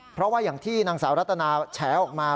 เพราะว่าอย่างที่นางสาวรัตนาแฉออกมา